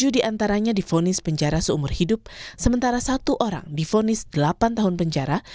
tujuh diantaranya difonis penjara seumur hidup sementara satu orang difonis delapan tahun penjara